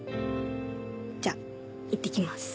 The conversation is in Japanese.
じゃあいってきます。